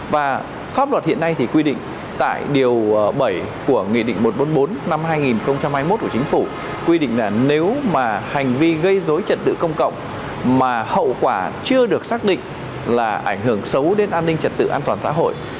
và pháp luật hiện nay thì quy định tại điều bảy của nghị định một trăm bốn mươi bốn năm hai nghìn hai mươi một của chính phủ quy định là nếu mà hành vi gây dối trật tự công cộng mà hậu quả chưa được xác định là ảnh hưởng xấu đến an ninh trật tự an toàn xã hội